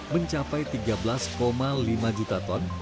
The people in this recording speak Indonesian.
mencapai tiga belas lima juta ton